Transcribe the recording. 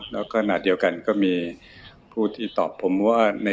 แล้วก็ขณะเดียวกันก็มีผู้ที่ตอบผมว่า